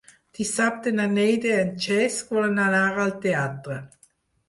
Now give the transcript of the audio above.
Dissabte na Neida i en Cesc volen anar al teatre.